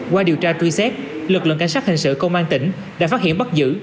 qua điều tra truy xét lực lượng cảnh sát hình sự công an tỉnh đã phát hiện bắt giữ